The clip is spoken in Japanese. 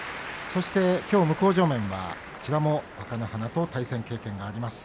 そしてきょう向正面はこちらも若乃花と対戦経験があります